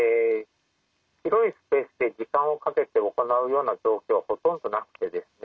広いスペースで時間をかけて行うような状況はほとんどなくてですね